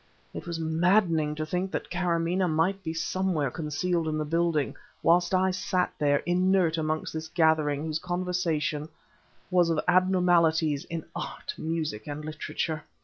It was maddening to think that Kâramaneh might be somewhere concealed in the building, whilst I sat there, inert amongst this gathering whose conversation was of abnormalities in art, music, and literature.